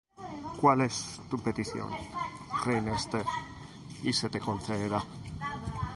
¿Cuál es tu petición, reina Esther, y se te concederá?